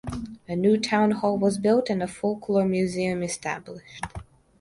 A new town hall was built and a Folklore Museum established.